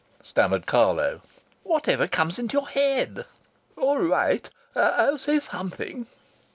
stammered Carlo. "Whatever comes into your head." "All right! I'll say something."